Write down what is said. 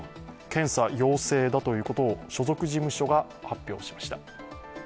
検査陽性だということを所属事務所が発表しました。